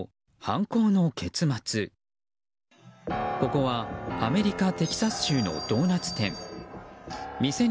ここはアメリカ・テキサス州のドーナツ店。